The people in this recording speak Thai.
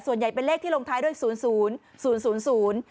ส่วนใหญ่เป็นเลขที่ลงท้ายด้วยศูนย์ศูนย์ศูนย์ศูนย์